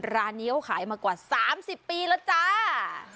ร้านนี้เขาขายมากว่า๓๐ปีแล้วจ้า